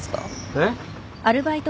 えっ？